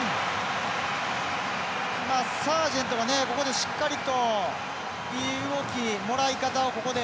サージェントがここで、しっかりといい動き、もらい方を。